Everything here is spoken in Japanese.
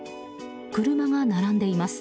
車が並んでいます。